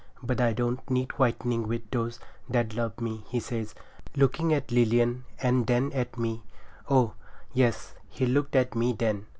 'But I don't need whitening with those that love me,' he says, looking at Lilian and then at me—oh! yes, he looked at me then.